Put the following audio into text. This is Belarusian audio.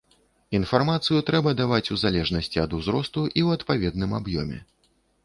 Інфармацыю трэба даваць у залежнасці ад узросту і ў адпаведным аб'ёме.